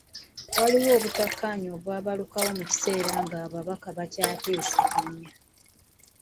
Waliwo obutakkaanya obwabalukawo mu kiseera nga ababaka bakyateeseganya.